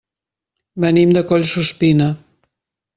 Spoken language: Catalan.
Venim de Collsuspina.